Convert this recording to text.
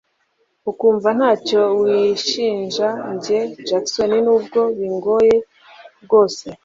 ukumva ntacyo wishishaNjye Jackson nubwo bingoye bwose